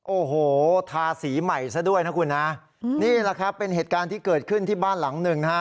โอ้โหทาสีใหม่ซะด้วยนะคุณนะนี่แหละครับเป็นเหตุการณ์ที่เกิดขึ้นที่บ้านหลังหนึ่งนะฮะ